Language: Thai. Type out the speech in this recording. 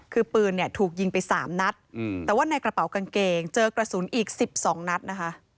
คือปืนเนี่ยถูกยิงไป๓นัดแต่ว่าในกระเป๋ากางเกงเจอกระสุนอีก๑๒นัดนะคะ